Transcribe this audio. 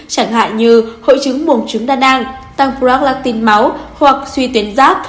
chẳng hạn như hội trứng muộn trứng đa nang tăng proactin máu hoặc suy tuyến giáp